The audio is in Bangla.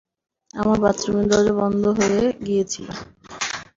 আমার বাথরুমের দরজা বন্ধ হয়ে গিয়েছিল।